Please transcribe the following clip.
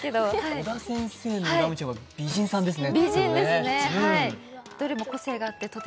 尾田先生のラムちゃんは美人さんですね